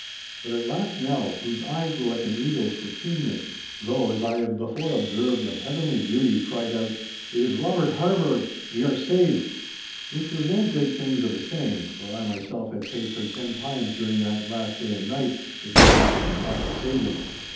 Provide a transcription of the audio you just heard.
But at last Nell, whose eyes were like an eagle's for keenness—though, as I have before observed, of heavenly beauty, cried out, 'It is Robert Harburgh—we are saved!' Which was no great things of a saying, for I myself had saved her ten times during that last night and day, if it came to any talk of saving.